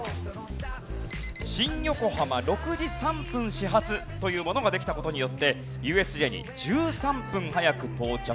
新横浜６時３分始発というものができた事によってＵＳＪに１３分早く到着。